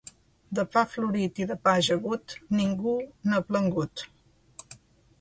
De pa florit i de pa ajagut, ningú n'han plangut.